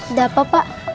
udah apa pak